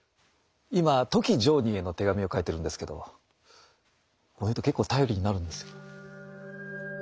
今富木常忍への手紙を書いてるんですけどこの人結構頼りになるんですよ。